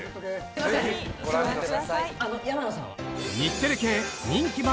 ぜひご覧ください。